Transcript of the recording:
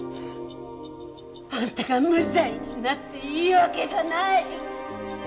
あんたが無罪になっていい訳がない！